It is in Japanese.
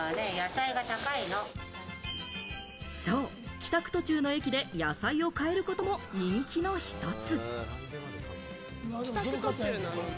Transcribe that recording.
帰宅途中の駅で、野菜を買えることも人気のひとつ。